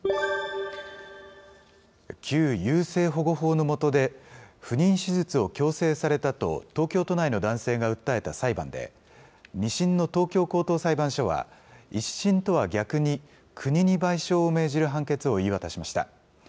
旧優生保護法の下で、不妊手術を強制されたと東京都内の男性が訴えた裁判で、２審の高等裁判所は、１審とは逆に、国に賠償を命じる判決を言い渡しました。